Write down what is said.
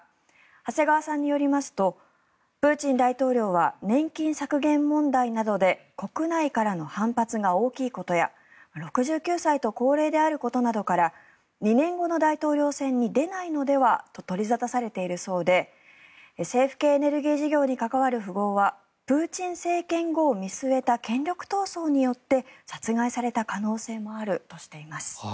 長谷川さんによりますとプーチン大統領は年金削減問題などで国内からの反発が大きいことや６９歳と高齢であることなどから２年後の大統領選に出ないのではと取り沙汰されているそうで政府系エネルギー事業に関わる富豪はプーチン政権後を見据えた権力闘争によって殺害された可能性もあるとしています。